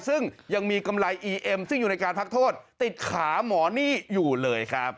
ซึ่งยังมีกำไรอีเอ็มซึ่งอยู่ในการพักโทษติดขาหมอนี่อยู่เลยครับ